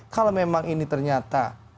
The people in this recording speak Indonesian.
kalau memang ini ternyata